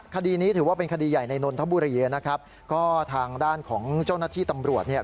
คดีนี้ถือว่าเป็นคดีใหญ่ในนนทบุรีนะครับก็ทางด้านของเจ้าหน้าที่ตำรวจเนี่ย